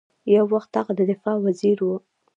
یو وخت هغه د دفاع وزیر ؤ